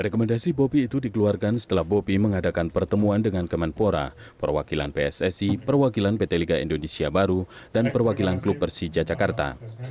rekomendasi bopi itu dikeluarkan setelah bobi mengadakan pertemuan dengan kemenpora perwakilan pssi perwakilan pt liga indonesia baru dan perwakilan klub persija jakarta